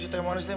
cukai manis teh